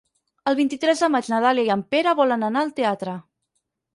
El vint-i-tres de maig na Dàlia i en Pere volen anar al teatre.